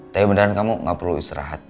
tapi beneran kamu gak perlu istirahat